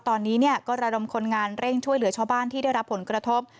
ตอนนี้ก็ระดมคนงานเร่งช่วยเหลือชาวบ้านที่ได้รับผลกระทบ